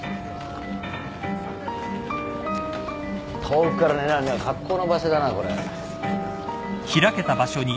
遠くから狙うには格好の場所だなこれ。